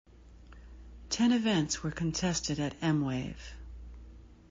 Ten events were contested at M-Wave.